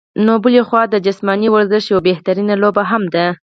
نو بلخوا د جسماني ورزش يوه بهترينه لوبه هم ده